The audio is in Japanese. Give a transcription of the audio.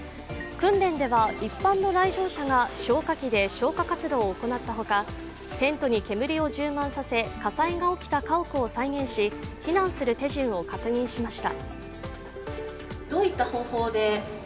訓練では一般の来場者が消火器で消火活動を行ったほか、テントに煙を充満させ火災が起きた家屋を再現し避難する手順を確認しました。